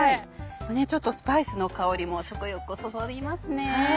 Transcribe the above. ちょっとスパイスの香りも食欲をそそりますね。